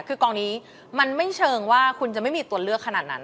คือกองนี้มันไม่เชิงว่าคุณจะไม่มีตัวเลือกขนาดนั้น